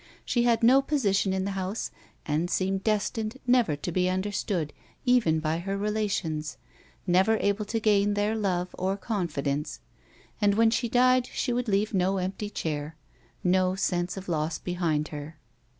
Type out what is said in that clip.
She had no position in the house and seemed destined never to be understood even by her relations, never able to gain their love or confidence, and when she died she would leave no empty chair, no sense of loss behind her.